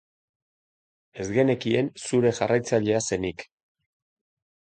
Ez genekien zure jarraitzailea zenik.